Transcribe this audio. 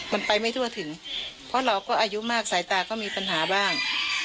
มันไปไม่ทั่วถึงเพราะเราก็อายุมากสายตาก็มีปัญหาบ้าง